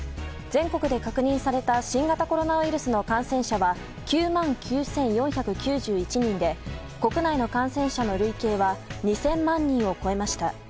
全国で確認された新型コロナウイルスの感染者は９万９４９１人で国内の感染者の累計は２０００万人を超えました。